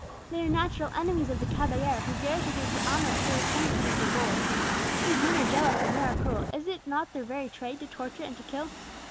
They are natural enemies of the caballero who dares to do for honour what they are trained to do for gold. These men are jealous, and they are cruel; is it not their very trade to torture and to kill?